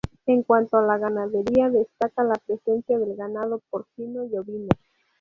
En cuanto a la ganadería destaca la presencia de ganado porcino y ovino.